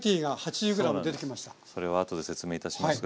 それは後で説明いたしますが。